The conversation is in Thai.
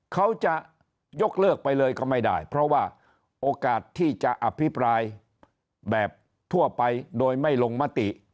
เขาจะยกเลิกไปเลยก็ไม่ได้เพราะว่าโอกาสที่จะอภิปรายแบบทั่วไปโดยไม่ลงมติ